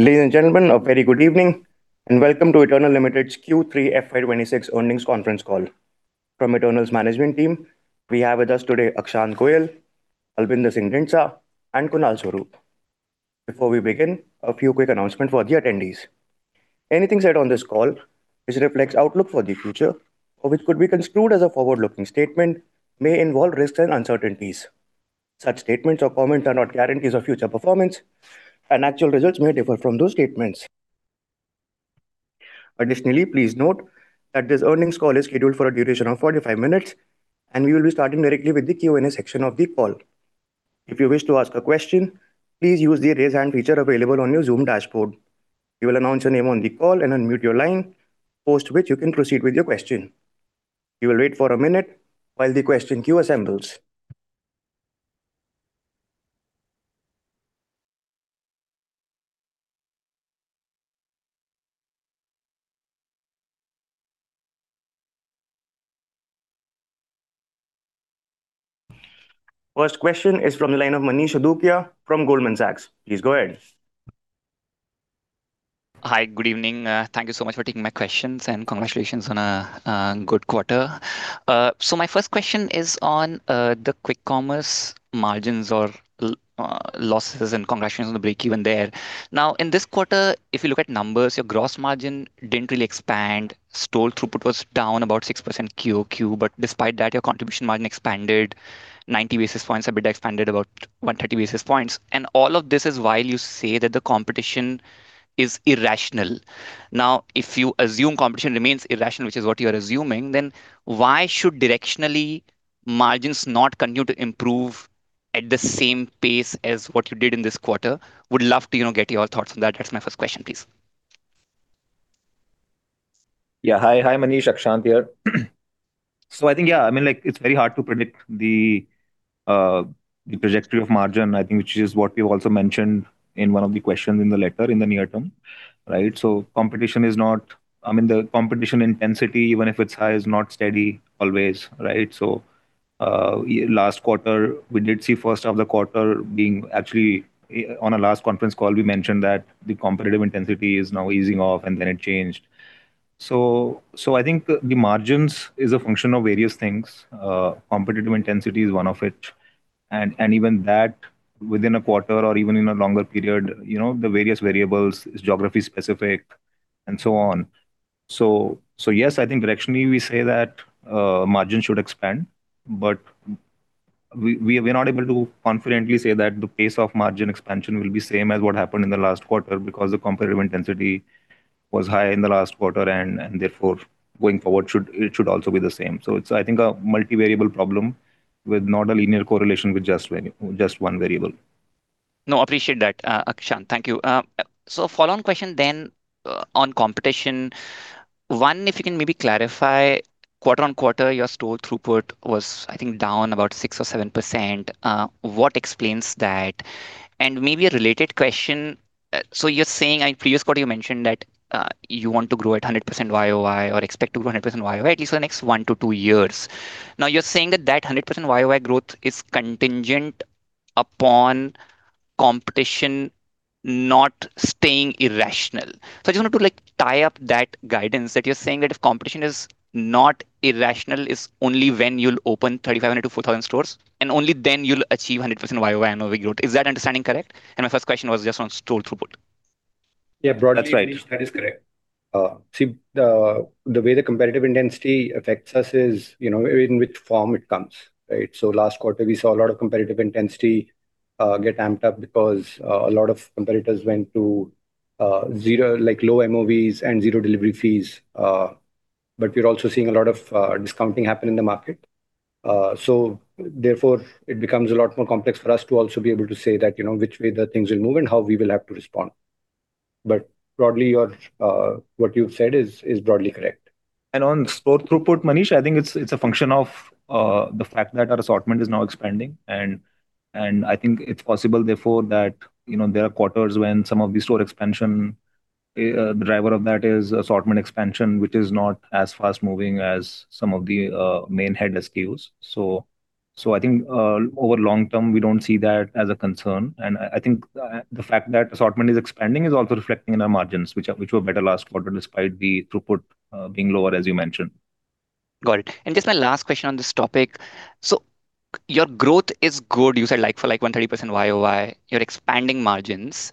Ladies and gentlemen, a very good evening and welcome to Eternal Limited's Q3 FY26 earnings conference call. From Eternal's management team, we have with us today Akshant Goyal, Albinder Singh Dhindsa, and Kunal Swarup. Before we begin, a few quick announcements for the attendees. Anything said on this call, which reflects outlook for the future, or which could be construed as a forward-looking statement, may involve risks and uncertainties. Such statements or comments are not guarantees of future performance, and actual results may differ from those statements. Additionally, please note that this earnings call is scheduled for a duration of 45 minutes, and we will be starting directly with the Q&A section of the call. If you wish to ask a question, please use the raise hand feature available on your Zoom dashboard. We will announce your name on the call and unmute your line, post which you can proceed with your question. You will wait for a minute while the question queue assembles. First question is from the line of Manish Adukia from Goldman Sachs. Please go ahead. Hi, good evening. Thank you so much for taking my questions and congratulations on a good quarter. My first question is on the quick commerce margins or losses and congratulations on the break even there. In this quarter, if you look at numbers, your gross margin did not really expand. Store throughput was down about 6% QoQ, but despite that, your contribution margin expanded 90 basis points, EBITDA expanded about 130 basis points. All of this is while you say that the competition is irrational. If you assume competition remains irrational, which is what you are assuming, then why should directionally margins not continue to improve at the same pace as what you did in this quarter? Would love to get your thoughts on that. That is my first question, please. Yeah, hi, hi, Manish, Akshant here. I think, yeah, I mean, it's very hard to predict the trajectory of margin, I think, which is what we've also mentioned in one of the questions in the letter in the near term. Right? Competition is not, I mean, the competition intensity, even if it's high, is not steady always. Right? Last quarter, we did see first of the quarter being actually on a last conference call, we mentioned that the competitive intensity is now easing off and then it changed. I think the margins is a function of various things. Competitive intensity is one of it. Even that, within a quarter or even in a longer period, the various variables is geography specific and so on. Yes, I think directionally we say that margin should expand, but we are not able to confidently say that the pace of margin expansion will be same as what happened in the last quarter because the competitive intensity was high in the last quarter and therefore going forward should also be the same. I think it's a multi-variable problem with not a linear correlation with just one variable. No, appreciate that, Akshant. Thank you. Follow-on question then on competition. One, if you can maybe clarify, quarter on quarter, your store throughput was, I think, down about 6% or 7%. What explains that? Maybe a related question. You are saying in previous quarter, you mentioned that you want to grow at 100% YoY or expect to grow 100% YoY at least for the next one to two years. Now, you are saying that that 100% YoY growth is contingent upon competition not staying irrational. I just want to tie up that guidance that you are saying that if competition is not irrational, it is only when you will open 3,500-4,000 stores and only then you will achieve 100% YoY and overgrowth. Is that understanding correct? My first question was just on store throughput. Yeah, broadly, that is correct. See, the way the competitive intensity affects us is in which form it comes. Last quarter, we saw a lot of competitive intensity get amped up because a lot of competitors went to low MOVs and zero delivery fees. We are also seeing a lot of discounting happen in the market. Therefore, it becomes a lot more complex for us to also be able to say which way the things will move and how we will have to respond. Broadly, what you've said is broadly correct. On store throughput, Manish, I think it's a function of the fact that our assortment is now expanding. I think it's possible therefore that there are quarters when some of the store expansion, the driver of that is assortment expansion, which is not as fast moving as some of the main head SKUs. I think over the long term, we do not see that as a concern. I think the fact that assortment is expanding is also reflecting in our margins, which were better last quarter despite the throughput being lower, as you mentioned. Got it. Just my last question on this topic. Your growth is good. You said for like 130% YoY, you're expanding margins.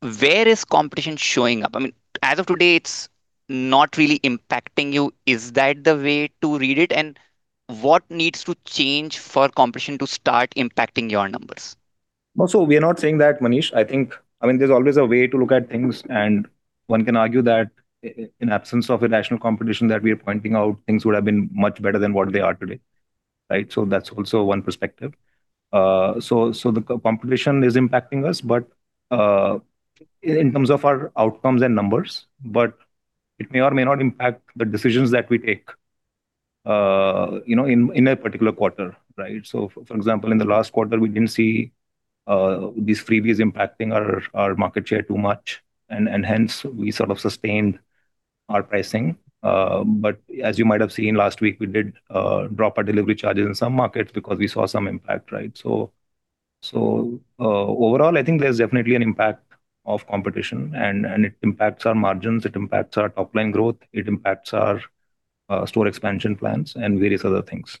Where is competition showing up? I mean, as of today, it's not really impacting you. Is that the way to read it? What needs to change for competition to start impacting your numbers? We are not saying that, Manish. I think, I mean, there's always a way to look at things. One can argue that in absence of irrational competition that we are pointing out, things would have been much better than what they are today. That is also one perspective. The competition is impacting us, in terms of our outcomes and numbers, but it may or may not impact the decisions that we take in a particular quarter. For example, in the last quarter, we did not see these freebies impacting our market share too much. Hence, we sort of sustained our pricing. As you might have seen last week, we did drop our delivery charges in some markets because we saw some impact. Overall, I think there is definitely an impact of competition. It impacts our margins. It impacts our top-line growth. It impacts our store expansion plans and various other things.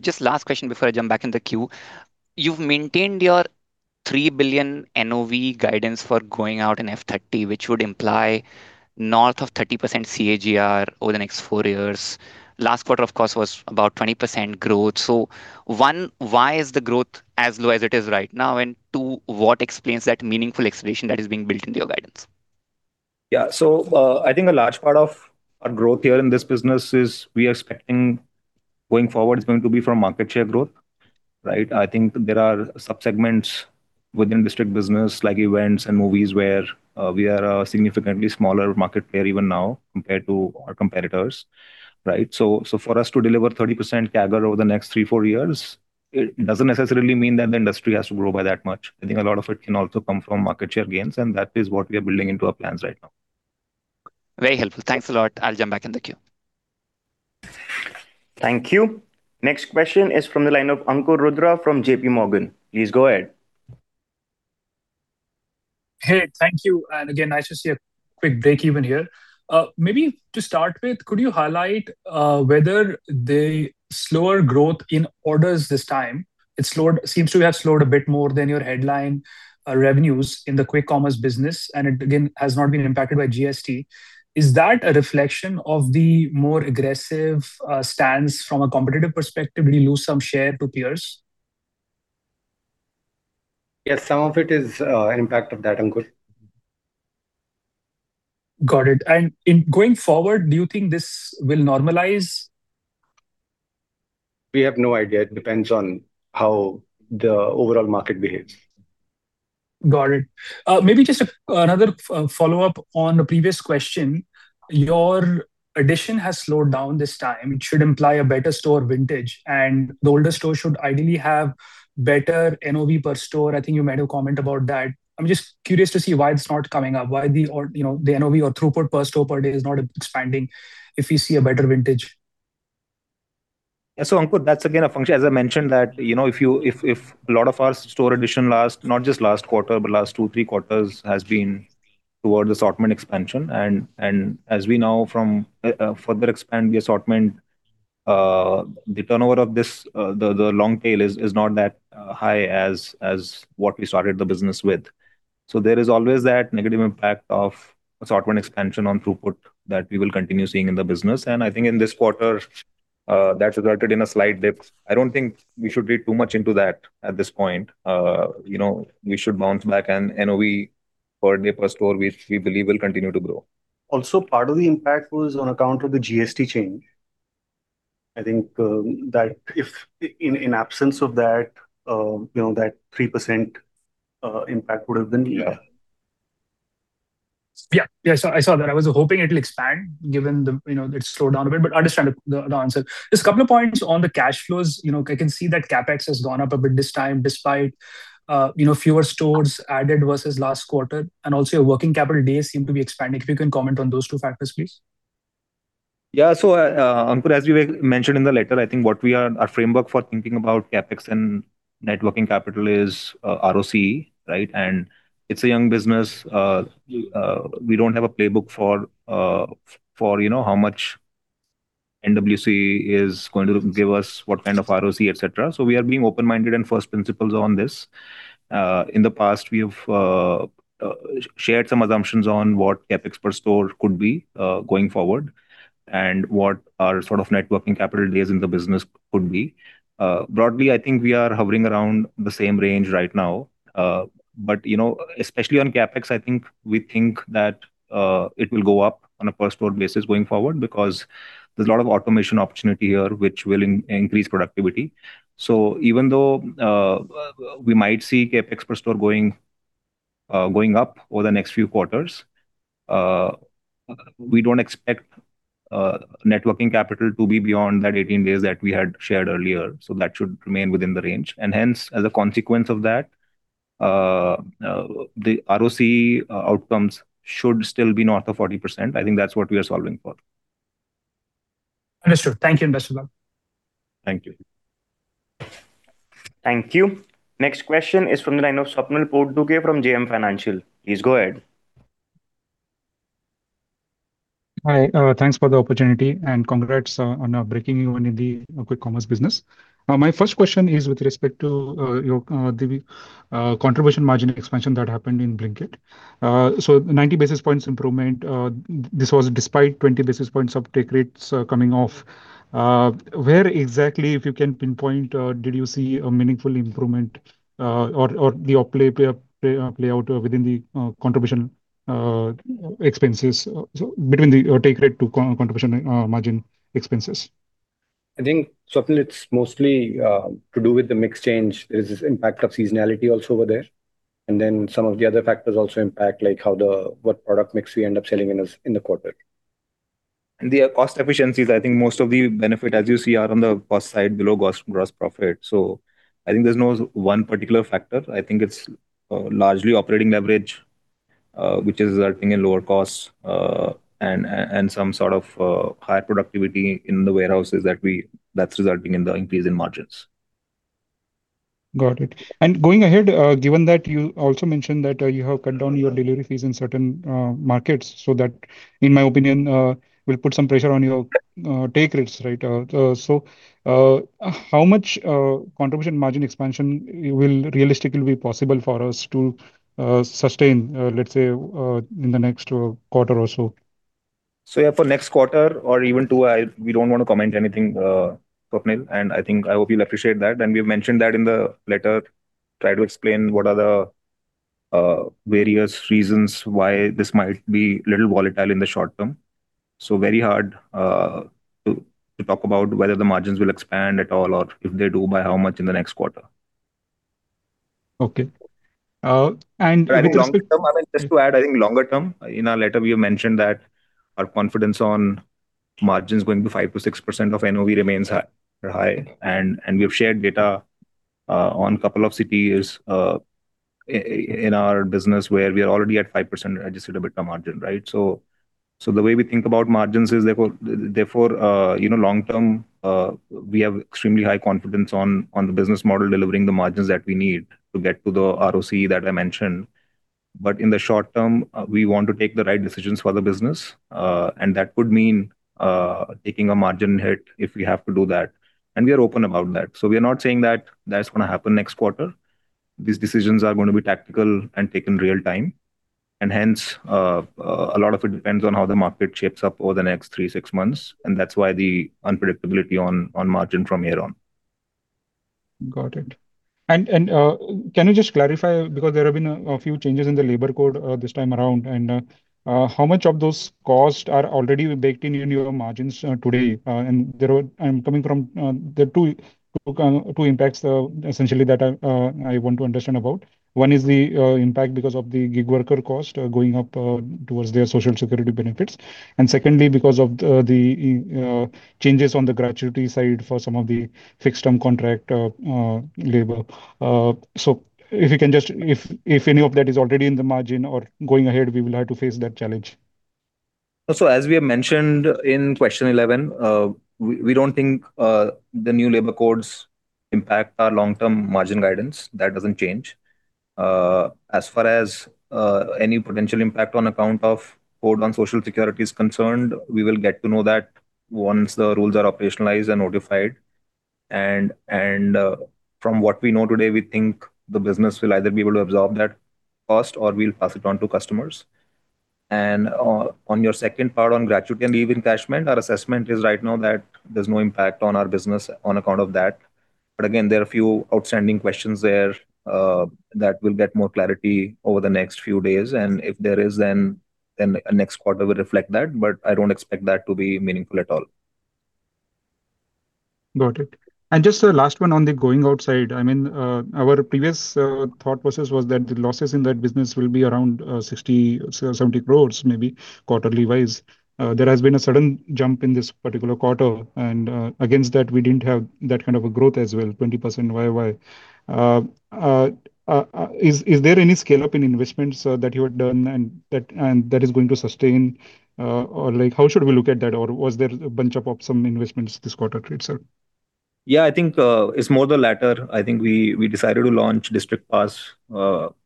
Just last question before I jump back in the queue. You've maintained your $3 billion NOV guidance for going out in 2030, which would imply north of 30% CAGR over the next four years. Last quarter, of course, was about 20% growth. One, why is the growth as low as it is right now? Two, what explains that meaningful expedition that is being built into your guidance? Yeah, so I think a large part of our growth here in this business is we are expecting going forward is going to be from market share growth. I think there are subsegments within District business like events and movies where we are a significantly smaller market player even now compared to our competitors. For us to deliver 30% CAGR over the next three, four years, it does not necessarily mean that the industry has to grow by that much. I think a lot of it can also come from market share gains. That is what we are building into our plans right now. Very helpful. Thanks a lot. I'll jump back in the queue. Thank you. Next question is from the line of Ankur Rudra from JP Morgan. Please go ahead. Hey, thank you. Again, nice to see a quick break even here. Maybe to start with, could you highlight whether the slower growth in orders this time, it seems to have slowed a bit more than your headline revenues in the quick commerce business. It again has not been impacted by GST. Is that a reflection of the more aggressive stance from a competitive perspective? Did you lose some share to peers? Yes, some of it is an impact of that, Ankur. Got it. Going forward, do you think this will normalize? We have no idea. It depends on how the overall market behaves. Got it. Maybe just another follow-up on the previous question. Your addition has slowed down this time. It should imply a better store vintage. And the older store should ideally have better NOV per store. I think you might have commented about that. I'm just curious to see why it's not coming up, why the NOV or throughput per store per day is not expanding if we see a better vintage. That is again a function, as I mentioned, that if a lot of our store addition last, not just last quarter, but last two-three quarters has been towards assortment expansion. As we now further expand the assortment, the turnover of the long tail is not that high as what we started the business with. There is always that negative impact of assortment expansion on throughput that we will continue seeing in the business. I think in this quarter, that resulted in a slight dip. I do not think we should read too much into that at this point. We should bounce back and NOV per day per store, which we believe will continue to grow. Also, part of the impact was on account of the GST change. I think that in absence of that, that 3% impact would have been less. Yeah, I saw that. I was hoping it will expand given it slowed down a bit, but understand the answer. Just a couple of points on the cash flows. I can see that CapEx has gone up a bit this time despite fewer stores added versus last quarter. Also, your working capital days seem to be expanding. If you can comment on those two factors, please. Yeah, so Ankur, as we mentioned in the letter, I think what we are our framework for thinking about CapEx and net working capital is ROC. And it's a young business. We don't have a playbook for how much NWC is going to give us, what kind of ROC, et cetera. We are being open-minded and first principles on this. In the past, we have shared some assumptions on what CapEx per store could be going forward and what our sort of net working capital days in the business could be. Broadly, I think we are hovering around the same range right now. Especially on CapEx, I think we think that it will go up on a per store basis going forward because there's a lot of automation opportunity here, which will increase productivity. Even though we might see CapEx per store going up over the next few quarters, we do not expect net working capital to be beyond that 18 days that we had shared earlier. That should remain within the range. Hence, as a consequence of that, the ROC outcomes should still be north of 40%. I think that is what we are solving for. Understood. Thank you, Akshant. Thank you. Thank you. Next question is from the line of Swapnil Potdukhe from JM Financial. Please go ahead. Hi, thanks for the opportunity and congrats on breaking even in the quick commerce business. My first question is with respect to the contribution margin expansion that happened in Blinkit. So 90 basis points improvement, this was despite 20 basis points of take rates coming off. Where exactly, if you can pinpoint, did you see a meaningful improvement or the play out within the contribution expenses between the tech rate to contribution margin expenses? I think Swapnil, it's mostly to do with the mix change. There is this impact of seasonality also over there. Then some of the other factors also impact like what product mix we end up selling in the quarter. The cost efficiencies, I think most of the benefit, as you see, are on the cost side below gross profit. I think there's no one particular factor. I think it's largely operating leverage, which is resulting in lower costs and some sort of higher productivity in the warehouses that's resulting in the increase in margins. Got it. Going ahead, given that you also mentioned that you have cut down your delivery fees in certain markets, that in my opinion will put some pressure on your take rates. How much contribution margin expansion will realistically be possible for us to sustain, let's say, in the next quarter or so? Yeah, for next quarter or even two, we do not want to comment anything, Swapnil. I think I hope you will appreciate that. We have mentioned that in the letter, tried to explain what are the various reasons why this might be a little volatile in the short term. Very hard to talk about whether the margins will expand at all or if they do by how much in the next quarter. Okay. And. In the short term, I mean, just to add, I think longer term, in our letter, we have mentioned that our confidence on margins going to 5%-6% of NOV remains high. We have shared data on a couple of CTEs in our business where we are already at 5% registered EBITDA margin. The way we think about margins is therefore, long term, we have extremely high confidence on the business model delivering the margins that we need to get to the ROC that I mentioned. In the short term, we want to take the right decisions for the business. That would mean taking a margin hit if we have to do that. We are open about that. We are not saying that is going to happen next quarter. These decisions are going to be tactical and taken real time. A lot of it depends on how the market shapes up over the next three to six months. That is why the unpredictability on margin from here on. Got it. Can you just clarify because there have been a few changes in the labor code this time around? How much of those costs are already baked in your margins today? I am coming from the two impacts essentially that I want to understand about. One is the impact because of the gig worker cost going up towards their social security benefits. Secondly, because of the changes on the gratuity side for some of the fixed-term contract labor. If you can just, if any of that is already in the margin or going ahead, we will have to face that challenge. As we have mentioned in question 11, we don't think the new labor codes impact our long-term margin guidance. That doesn't change. As far as any potential impact on account of Code on Social Security is concerned, we will get to know that once the rules are operationalized and notified. From what we know today, we think the business will either be able to absorb that cost or we'll pass it on to customers. On your second part on gratuity and leave encashment, our assessment is right now that there's no impact on our business on account of that. Again, there are a few outstanding questions there that will get more clarity over the next few days. If there is, then next quarter will reflect that. I don't expect that to be meaningful at all. Got it. Just the last one on the going outside. I mean, our previous thought process was that the losses in that business will be around 60-70 crore maybe quarterly-wise. There has been a sudden jump in this particular quarter. Against that, we did not have that kind of a growth as well, 20% YoY. Is there any scale-up in investments that you had done and that is going to sustain? How should we look at that? Was there a bunch of some investments this quarter? Yeah, I think it's more the latter. I think we decided to launch District Pass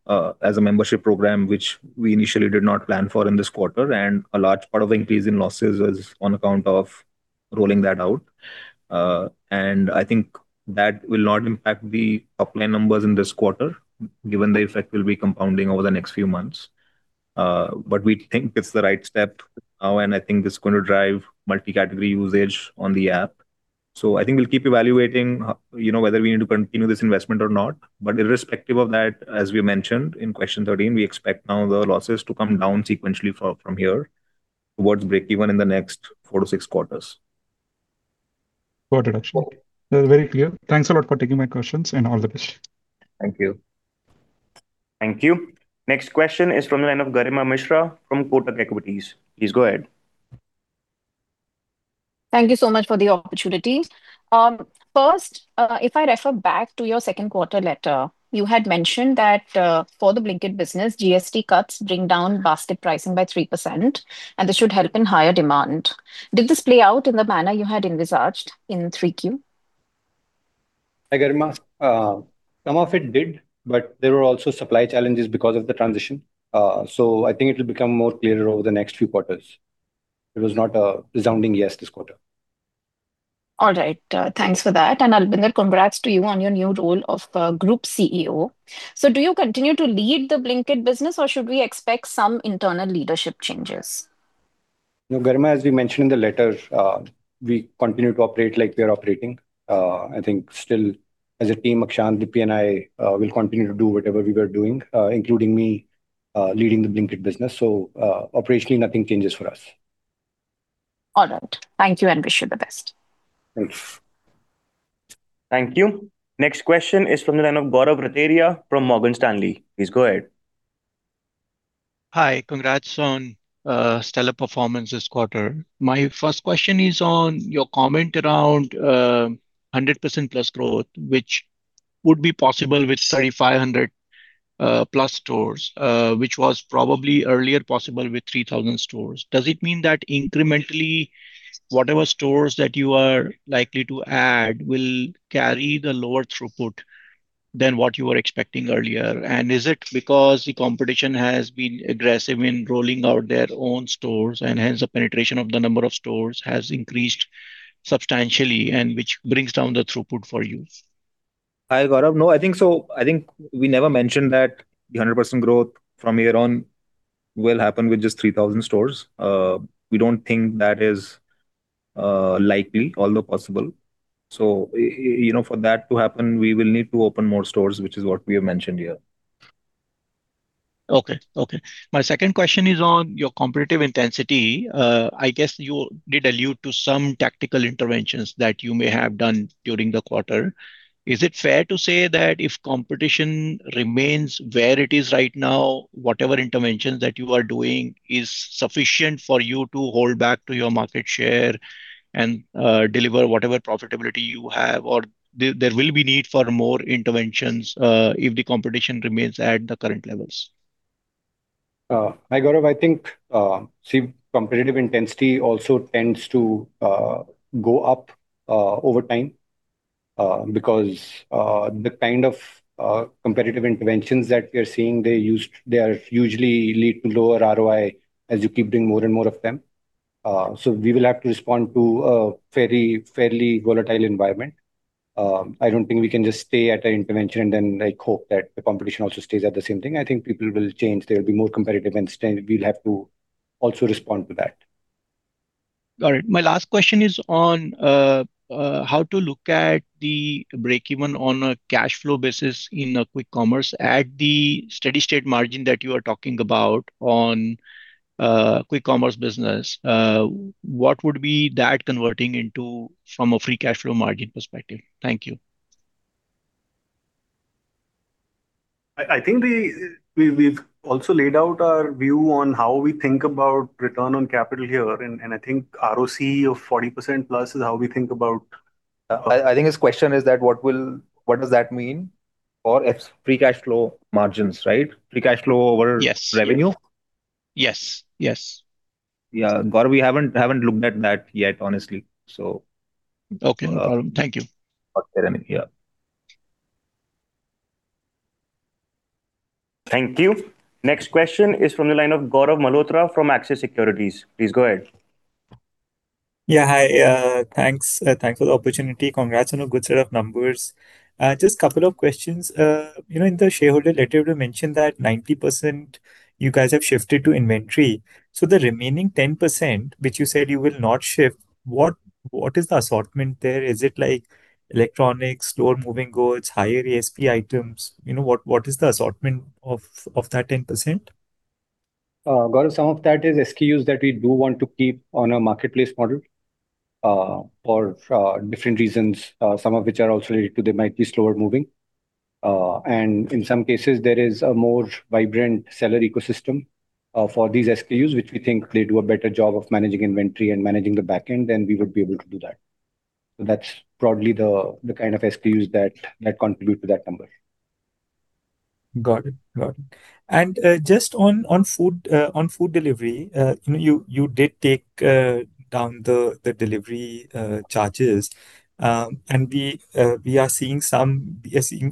as a membership program, which we initially did not plan for in this quarter. A large part of the increase in losses was on account of rolling that out. I think that will not impact the top-line numbers in this quarter, given the effect will be compounding over the next few months. We think it's the right step now. I think it's going to drive multi-category usage on the app. I think we'll keep evaluating whether we need to continue this investment or not. Irrespective of that, as we mentioned in question 13, we expect now the losses to come down sequentially from here towards break even in the next four to six quarters. Got it. Very clear. Thanks a lot for taking my questions and all the best. Thank you. Thank you. Next question is from the line of Garima Mishra from Kotak Equities. Please go ahead. Thank you so much for the opportunity. First, if I refer back to your second quarter letter, you had mentioned that for the Blinkit business, GST cuts bring down basket pricing by 3%, and this should help in higher demand. Did this play out in the manner you had envisaged in Q3? Some of it did, but there were also supply challenges because of the transition. I think it will become more clear over the next few quarters. It was not a resounding yes this quarter. All right. Thanks for that. And Albinder, congrats to you on your new role of Group CEO. Do you continue to lead the Blinkit business, or should we expect some internal leadership changes? Garima, as we mentioned in the letter, we continue to operate like we are operating. I think still as a team, Akshant, Deepi, and I will continue to do whatever we were doing, including me leading the Blinkit business. Operationally, nothing changes for us. All right. Thank you, and wish you the best. Thanks. Thank you. Next question is from the line of Gaurav Rateria from Morgan Stanley. Please go ahead. Hi, congrats on stellar performance this quarter. My first question is on your comment around 100%+ growth, which would be possible with 3,500+ stores, which was probably earlier possible with 3,000 stores. Does it mean that incrementally, whatever stores that you are likely to add will carry the lower throughput than what you were expecting earlier? Is it because the competition has been aggressive in rolling out their own stores, and hence the penetration of the number of stores has increased substantially, which brings down the throughput for you? Hi, Gaurav. No, I think we never mentioned that the 100% growth from here on will happen with just 3,000 stores. We do not think that is likely, although possible. For that to happen, we will need to open more stores, which is what we have mentioned here. Okay. Okay. My second question is on your competitive intensity. I guess you did allude to some tactical interventions that you may have done during the quarter. Is it fair to say that if competition remains where it is right now, whatever interventions that you are doing is sufficient for you to hold back your market share and deliver whatever profitability you have, or there will be need for more interventions if the competition remains at the current levels? Hi, Gaurav. I think competitive intensity also tends to go up over time because the kind of competitive interventions that we are seeing, they usually lead to lower ROI as you keep doing more and more of them. We will have to respond to a fairly volatile environment. I do not think we can just stay at our intervention and then hope that the competition also stays at the same thing. I think people will change. There will be more competitive, and we will have to also respond to that. Got it. My last question is on how to look at the break-even on a cash flow basis in a quick commerce at the steady-state margin that you are talking about on quick commerce business. What would be that converting into from a free cash flow margin perspective? Thank you. I think we've also laid out our view on how we think about return on capital here. I think ROC of 40% plus is how we think about. I think his question is that what does that mean for free cash flow margins, right? Free cash flow over revenue? Yes. Yes. Yeah, Gaurav, we haven't looked at that yet, honestly. Okay. Thank you. Yeah. Thank you. Next question is from the line of Gaurav Malhotra from Axis Securities. Please go ahead. Yeah, hi. Thanks for the opportunity. Congrats on a good set of numbers. Just a couple of questions. In the shareholder letter, you mentioned that 90% you guys have shifted to inventory. The remaining 10%, which you said you will not shift, what is the assortment there? Is it like electronics, lower moving goods, higher ASP items? What is the assortment of that 10%? Gaurav, some of that is SKUs that we do want to keep on a marketplace model for different reasons, some of which are also related to they might be slower moving. In some cases, there is a more vibrant seller ecosystem for these SKUs, which we think they do a better job of managing inventory and managing the backend than we would be able to do that. That is probably the kind of SKUs that contribute to that number. Got it. Got it. Just on food delivery, you did take down the delivery charges. We are seeing some,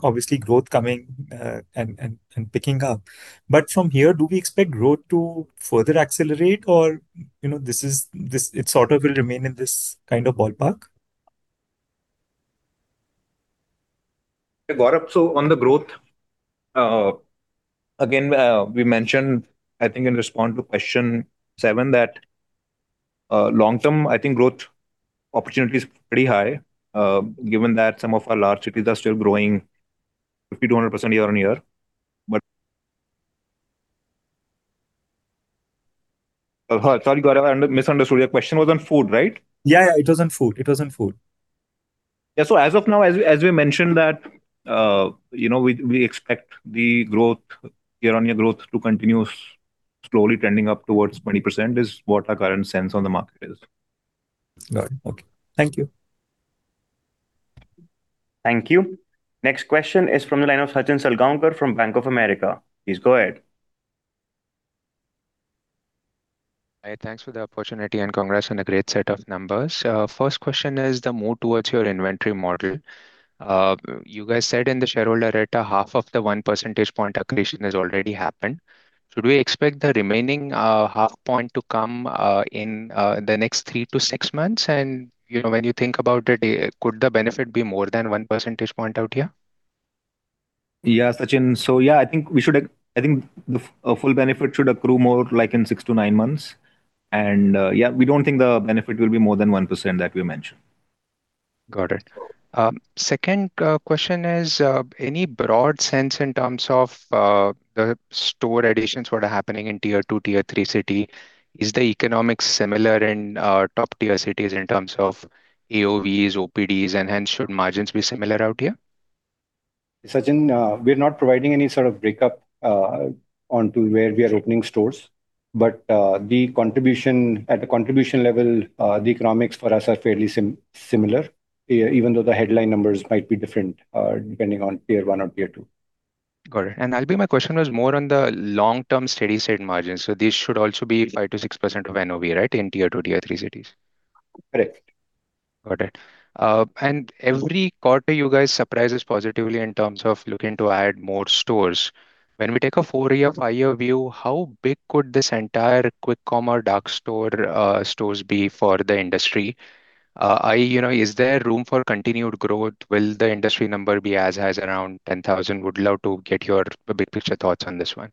obviously, growth coming and picking up. From here, do we expect growth to further accelerate, or it sort of will remain in this kind of ballpark? Gaurav, on the growth, again, we mentioned, I think in response to question seven, that long-term, I think growth opportunity is pretty high, given that some of our large cities are still growing 50%-100% year on year. Sorry, Gaurav, I misunderstood. Your question was on food, right? Yeah, yeah. It was on food. It was on food. Yeah. As of now, as we mentioned, we expect the year-on-year growth to continue slowly trending up towards 20%, which is what our current sense on the market is. Got it. Okay. Thank you. Thank you. Next question is from the line of Sachin Salgaonkar from Bank of America. Please go ahead. Hi. Thanks for the opportunity and congrats on a great set of numbers. First question is the move towards your inventory model. You guys said in the shareholder letter, half of the 1% accretion has already happened. Should we expect the remaining half point to come in the next three to six months? When you think about it, could the benefit be more than 1% out here? Yeah, Sachin. Yeah, I think we should, I think the full benefit should accrue more like in six to nine months. Yeah, we do not think the benefit will be more than 1% that we mentioned. Got it. Second question is, any broad sense in terms of the store additions that are happening in Tier 2, Tier 3 city? Is the economic similar in top-tier cities in terms of AOVs, OPDs, and hence should margins be similar out here? Sachin, we're not providing any sort of breakup onto where we are opening stores. The contribution at the contribution level, the economics for us are fairly similar, even though the headline numbers might be different depending on Tier 1 or Tier 2. Got it. Albinder, my question was more on the long-term steady-state margins. This should also be 5%-6% of NOV, right, in Tier 2, Tier 3 cities? Correct. Got it. Every quarter, you guys surprise us positively in terms of looking to add more stores. When we take a four-year, five-year view, how big could this entire quick commerce dark store stores be for the industry? Is there room for continued growth? Will the industry number be as high as around 10,000? Would love to get your big picture thoughts on this one.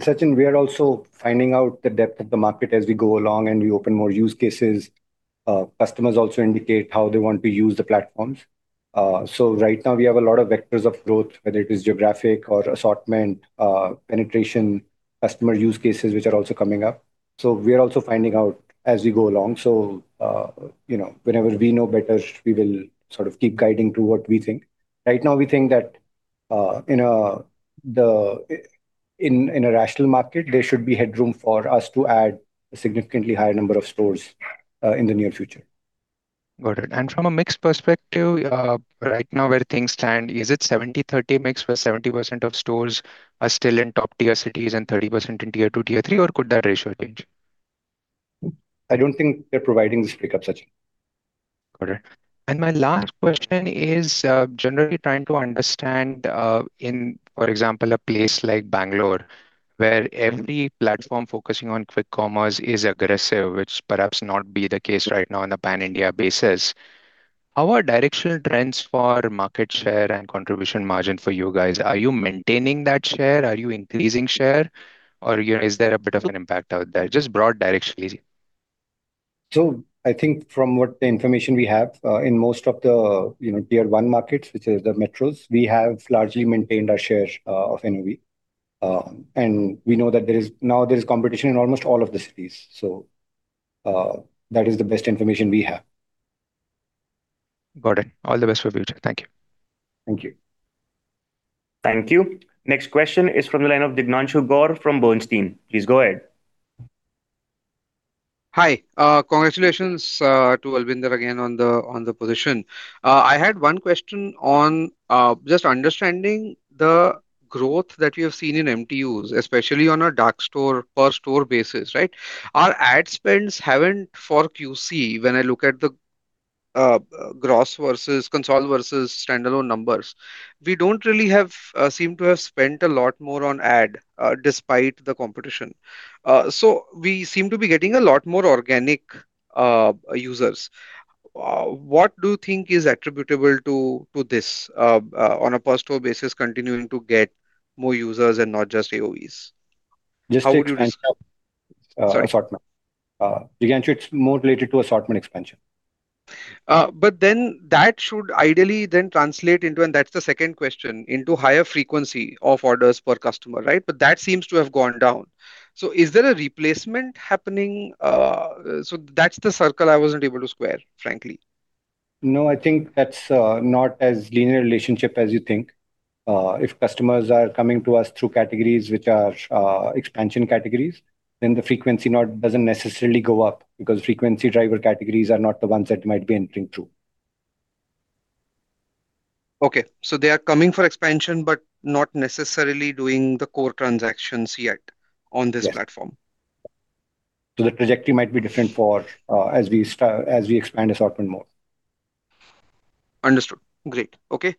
Sachin, we are also finding out the depth of the market as we go along and we open more use cases. Customers also indicate how they want to use the platforms. Right now, we have a lot of vectors of growth, whether it is geographic or assortment, penetration, customer use cases, which are also coming up. We are also finding out as we go along. Whenever we know better, we will sort of keep guiding through what we think. Right now, we think that in a rational market, there should be headroom for us to add a significantly higher number of stores in the near future. Got it. From a mix perspective, right now, where things stand, is it 70-30 mix where 70% of stores are still in top-tier cities and 30% in Tier 2, Tier 3, or could that ratio change? I don't think they're providing this breakup, Sachin. Got it. My last question is generally trying to understand, for example, a place like Bengaluru, where every platform focusing on quick commerce is aggressive, which perhaps may not be the case right now on a pan-India basis. How are directional trends for market share and contribution margin for you guys? Are you maintaining that share? Are you increasing share? Or is there a bit of an impact out there? Just broad directionally. I think from what the information we have in most of the Tier 1 markets, which is the metros, we have largely maintained our share of NOV. We know that now there is competition in almost all of the cities. That is the best information we have. Got it. All the best for future. Thank you. Thank you. Thank you. Next question is from the line of Jignanshu Gor from Bernstein. Please go ahead. Hi. Congratulations to Albinder again on the position. I had one question on just understanding the growth that we have seen in MTUs, especially on a dark store per store basis, right? Our ad spends have not for QC when I look at the gross versus Consol versus standalone numbers. We do not really seem to have spent a lot more on ad despite the competition. We seem to be getting a lot more organic users. What do you think is attributable to this on a per store basis, continuing to get more users and not just AOVs? Just assortment. Sorry. Jignanshu, it's more related to assortment expansion. That should ideally then translate into, and that's the second question, into higher frequency of orders per customer, right? That seems to have gone down. Is there a replacement happening? That's the circle I wasn't able to square, frankly. No, I think that's not as linear a relationship as you think. If customers are coming to us through categories, which are expansion categories, then the frequency doesn't necessarily go up because frequency driver categories are not the ones that they might be entering through. Okay. They are coming for expansion, but not necessarily doing the core transactions yet on this platform. The trajectory might be different as we expand assortment more. Understood. Great. Okay.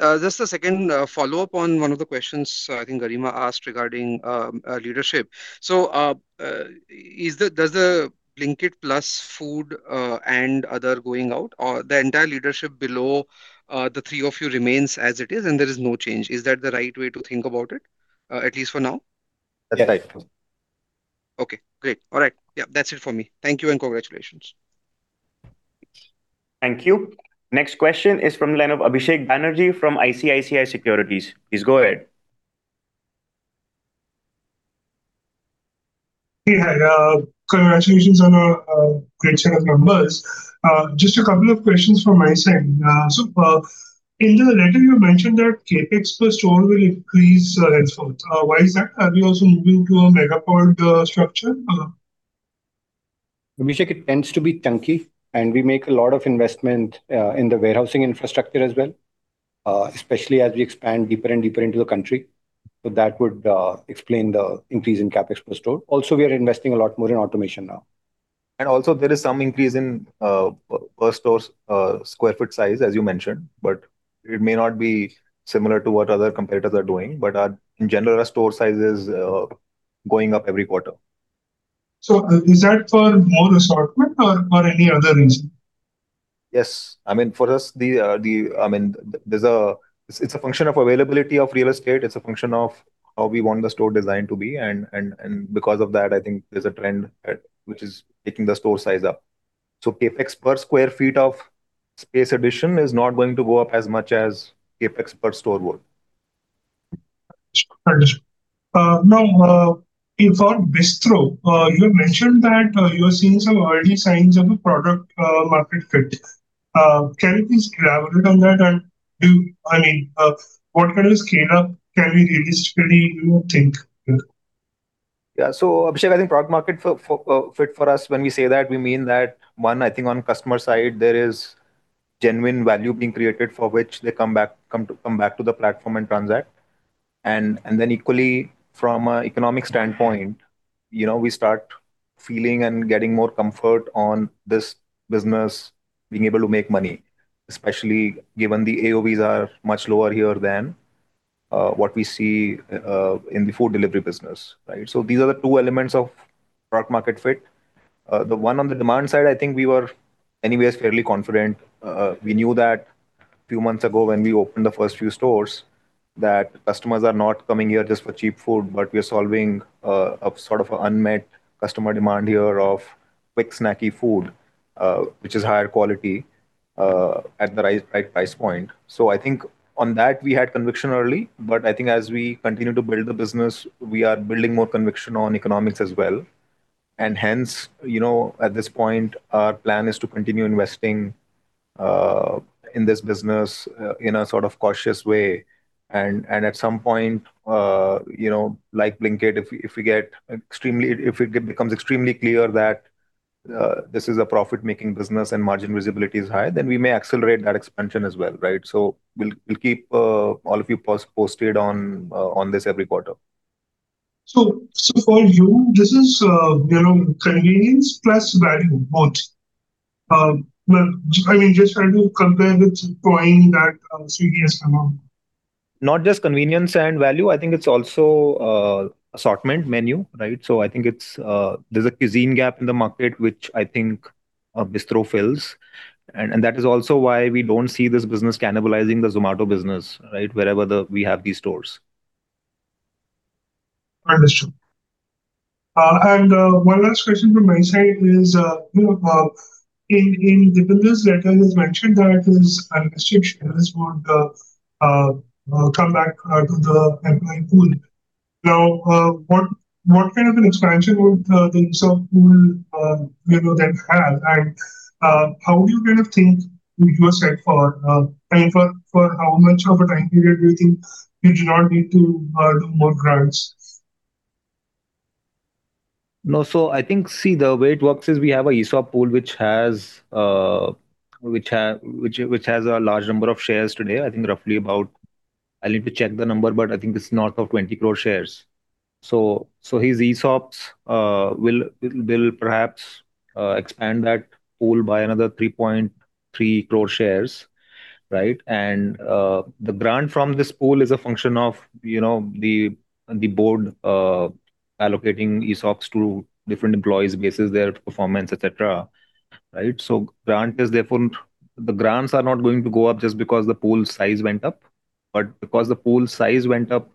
Just a second follow-up on one of the questions I think Garima asked regarding leadership. Does the Blinkit plus food and other going out, or the entire leadership below the three of you remain as it is, and there is no change? Is that the right way to think about it, at least for now? That's right. Okay. Great. All right. Yeah, that's it for me. Thank you and congratulations. Thank you. Next question is from the line of Abhishek Banerjee from ICICI Securities. Please go ahead. Hey, hi. Congratulations on a great set of numbers. Just a couple of questions from my side. In the letter, you mentioned that CapEx per store will increase henceforth. Why is that? Are we also moving to a megapod structure? Abhishek, it tends to be chunky, and we make a lot of investment in the warehousing infrastructure as well, especially as we expand deeper and deeper into the country. That would explain the increase in CapEx per store. Also, we are investing a lot more in automation now. There is some increase in per store square foot size, as you mentioned, but it may not be similar to what other competitors are doing. In general, our store size is going up every quarter. Is that for more assortment or any other reason? Yes. I mean, for us, I mean, it's a function of availability of real estate. It's a function of how we want the store design to be. Because of that, I think there's a trend which is taking the store size up. CapEx per square feet of space addition is not going to go up as much as CapEx per store would. Understood. Now, for Bistro, you mentioned that you are seeing some early signs of a product market fit. Can you please elaborate on that? I mean, what kind of scale-up can we realistically think here? Yeah. Abhishek, I think product market fit for us, when we say that, we mean that, one, I think on the customer side, there is genuine value being created for which they come back to the platform and transact. Equally, from an economic standpoint, we start feeling and getting more comfort on this business being able to make money, especially given the AOVs are much lower here than what we see in the food delivery business, right? These are the two elements of product market fit. The one on the demand side, I think we were anyways fairly confident. We knew that a few months ago when we opened the first few stores that customers are not coming here just for cheap food, but we are solving sort of an unmet customer demand here of quick snacky food, which is higher quality at the right price point. I think on that, we had conviction early, but I think as we continue to build the business, we are building more conviction on economics as well. Hence, at this point, our plan is to continue investing in this business in a sort of cautious way. At some point, like Blinkit, if it becomes extremely clear that this is a profit-making business and margin visibility is high, then we may accelerate that expansion as well, right? We will keep all of you posted on this every quarter. For you, this is convenience plus value, both? I mean, just trying to compare with drawing that Swiggy has come out. Not just convenience and value. I think it's also assortment menu, right? I think there's a cuisine gap in the market, which I think Bistro fills. That is also why we don't see this business cannibalizing the Zomato business, right, wherever we have these stores. Understood. One last question from my side is in the business letter, you mentioned that unless your shares would come back to the employee pool. What kind of an expansion would the use of pool then have? How do you think you would set for, I mean, for how much of a time period do you think you do not need to do more grants? No, so I think, see, the way it works is we have an ESOP pool, which has a large number of shares today. I think roughly about, I need to check the number, but I think it's north of 200 million shares. So his ESOPs will perhaps expand that pool by another 33 million shares, right? The grant from this pool is a function of the board allocating ESOPs to different employees based on their performance, etc., right? Grant is therefore, the grants are not going to go up just because the pool size went up. Because the pool size went up,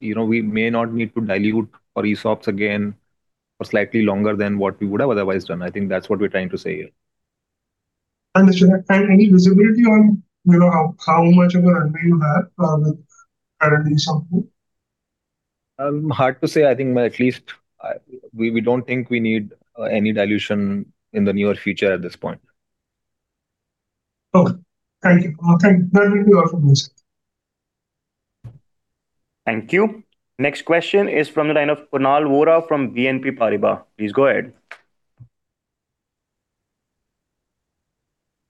we may not need to dilute our ESOPs again for slightly longer than what we would have otherwise done. I think that's what we're trying to say here. Understood. Any visibility on how much of an unwill you have with current ESOP pool? Hard to say. I think at least we don't think we need any dilution in the near future at this point. Okay. Thank you. That will be all from my side. Thank you. Next question is from the line of Kunal Vora from BNP Paribas. Please go ahead.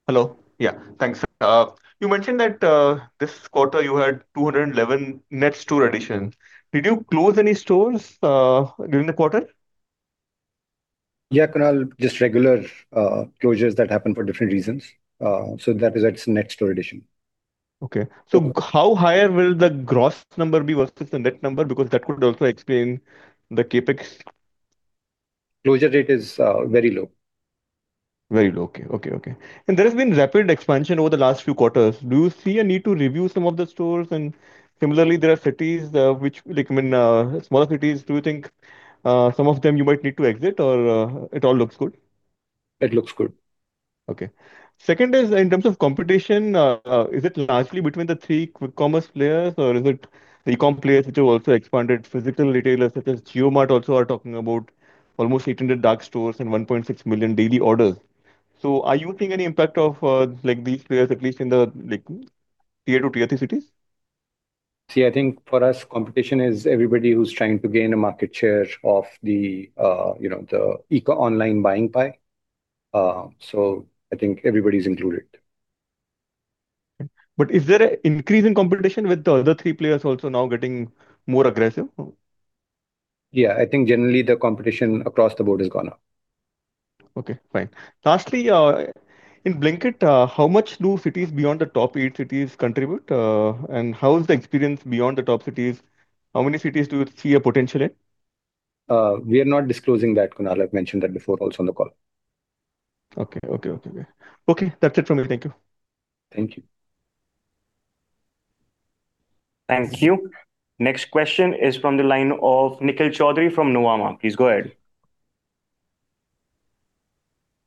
Hello. Yeah. Thanks. You mentioned that this quarter you had 211 net store additions. Did you close any stores during the quarter? Yeah, Kunal, just regular closures that happened for different reasons. That is why it's net store addition. Okay. How higher will the gross number be versus the net number? Because that could also explain the CapEx. Closure rate is very low. Very low. Okay. Okay. Okay. There has been rapid expansion over the last few quarters. Do you see a need to review some of the stores? Similarly, there are cities, like smaller cities, do you think some of them you might need to exit, or it all looks good? It looks good. Okay. Second is in terms of competition, is it largely between the three quick commerce players, or is it e-comm players which have also expanded? Physical retailers such as JioMart also are talking about almost 800 dark stores and 1.6 million daily orders. Are you seeing any impact of these players, at least in the Tier 2, Tier 3 cities? See, I think for us, competition is everybody who's trying to gain a market share of the eco online buying pie. I think everybody's included. Is there an increase in competition with the other three players also now getting more aggressive? Yeah. I think generally the competition across the board has gone up. Okay. Fine. Lastly, in Blinkit, how much do cities beyond the top eight cities contribute? How is the experience beyond the top cities? How many cities do you see a potential in? We are not disclosing that. Kunal had mentioned that before also on the call. Okay. Okay. Okay. That's it from me. Thank you. Thank you. Thank you. Next question is from the line of Nikhil Choudhary from Nuvama. Please go ahead.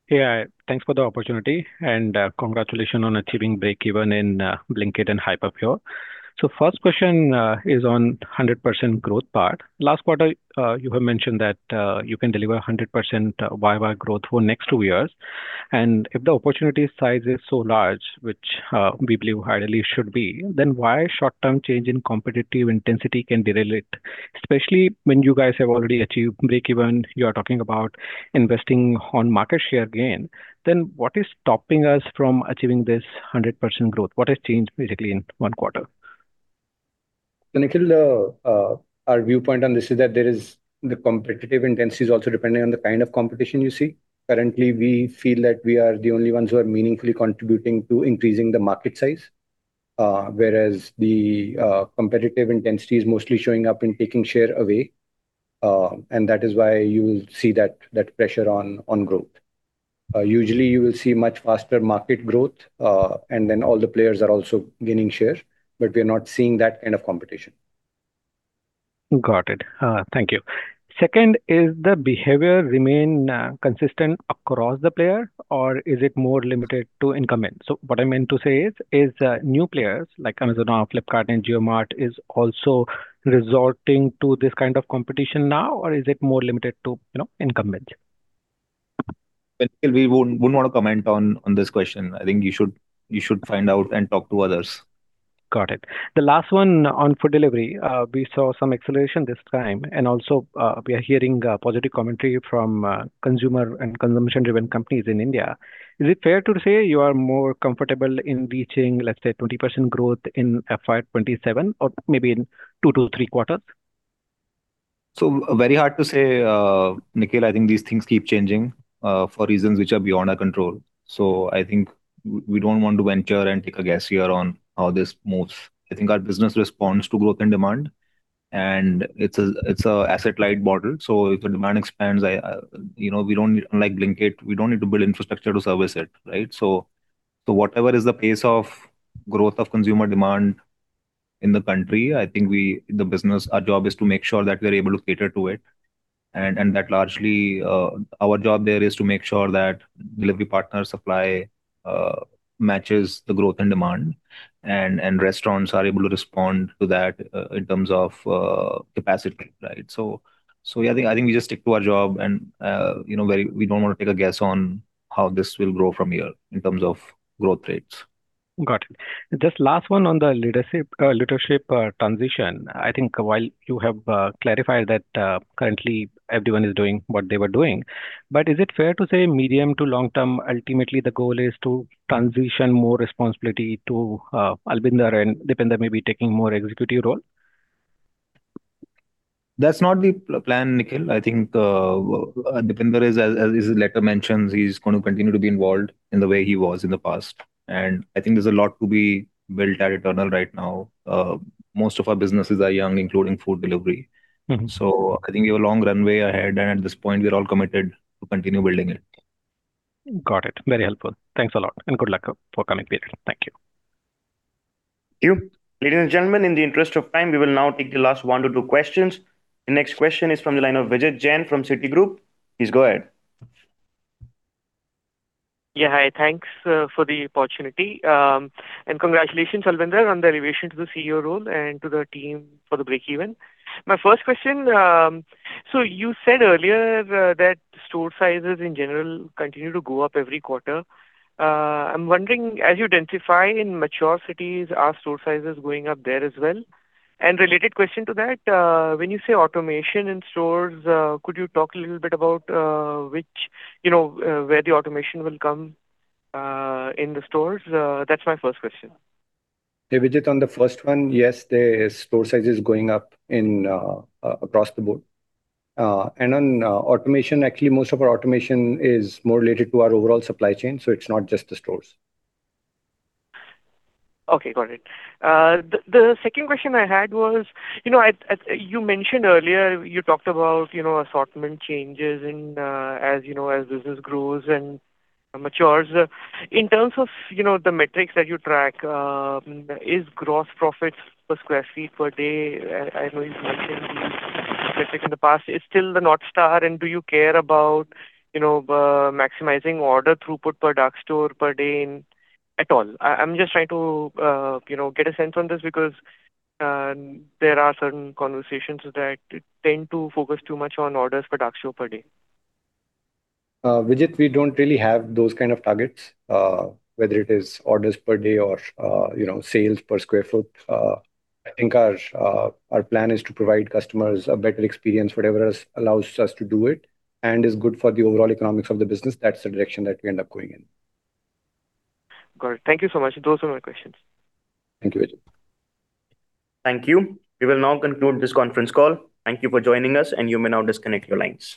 Yeah. Thanks for the opportunity. Congratulations on achieving break even in Blinkit and Hyperpure. First question is on 100% growth part. Last quarter, you have mentioned that you can deliver 100% YoY growth for next two years. If the opportunity size is so large, which we believe highly should be, why can a short-term change in competitive intensity derail it? Especially when you guys have already achieved break even, you are talking about investing on market share gain. What is stopping us from achieving this 100% growth? What has changed basically in one quarter? Nikhil, our viewpoint on this is that the competitive intensity is also depending on the kind of competition you see. Currently, we feel that we are the only ones who are meaningfully contributing to increasing the market size, whereas the competitive intensity is mostly showing up in taking share away. That is why you will see that pressure on growth. Usually, you will see much faster market growth, and then all the players are also gaining share, but we are not seeing that kind of competition. Got it. Thank you. Second, does the behavior remain consistent across the player, or is it more limited to incumbents? What I meant to say is, are new players like Amazon, Flipkart, and JioMart also resorting to this kind of competition now, or is it more limited to incumbents? Nikhil, we wouldn't want to comment on this question. I think you should find out and talk to others. Got it. The last one on food delivery, we saw some acceleration this time, and also we are hearing positive commentary from consumer and consumption-driven companies in India. Is it fair to say you are more comfortable in reaching, let's say, 20% growth in FY2027 or maybe in two to three quarters? Very hard to say, Nikhil. I think these things keep changing for reasons which are beyond our control. I think we don't want to venture and take a guess here on how this moves. I think our business responds to growth and demand, and it's an asset-light model. If the demand expands, we don't need, unlike Blinkit, we don't need to build infrastructure to service it, right? Whatever is the pace of growth of consumer demand in the country, I think our job is to make sure that we are able to cater to it. That largely our job there is to make sure that delivery partner supply matches the growth and demand, and restaurants are able to respond to that in terms of capacity, right? I think we just stick to our job, and we don't want to take a guess on how this will grow from here in terms of growth rates. Got it. Just last one on the leadership transition. I think while you have clarified that currently everyone is doing what they were doing, but is it fair to say medium to long-term, ultimately the goal is to transition more responsibility to Albinder and Deepinder may be taking more executive role? That's not the plan, Nikhil. I think Deepinder, as his letter mentions, he's going to continue to be involved in the way he was in the past. I think there's a lot to be built at Eternal right now. Most of our businesses are young, including food delivery. I think we have a long runway ahead, and at this point, we're all committed to continue building it. Got it. Very helpful. Thanks a lot. Good luck for the coming period. Thank you. Thank you. Ladies and gentlemen, in the interest of time, we will now take the last one to two questions. The next question is from the line of Vijit Jain from Citigroup. Please go ahead. Yeah. Hi. Thanks for the opportunity. Congratulations, Albinder, on the elevation to the CEO role and to the team for the break even. My first question, you said earlier that store sizes in general continue to go up every quarter. I'm wondering, as you densify in mature cities, are store sizes going up there as well? Related question to that, when you say automation in stores, could you talk a little bit about where the automation will come in the stores? That's my first question. Hey, Vijit, on the first one, yes, the store size is going up across the board. Actually, most of our automation is more related to our overall supply chain, so it's not just the stores. Okay. Got it. The second question I had was, you mentioned earlier, you talked about assortment changes as business grows and matures. In terms of the metrics that you track, is gross profit per sq ft per day? I know you've mentioned these metrics in the past. Is still the North Star, and do you care about maximizing order throughput per dark store per day at all? I'm just trying to get a sense on this because there are certain conversations that tend to focus too much on orders per dark store per day. Vijit, we do not really have those kind of targets, whether it is orders per day or sales per sq ft. I think our plan is to provide customers a better experience, whatever allows us to do it, and is good for the overall economics of the business. That is the direction that we end up going in. Got it. Thank you so much. Those are my questions. Thank you, Vijit. Thank you. We will now conclude this conference call. Thank you for joining us, and you may now disconnect your lines.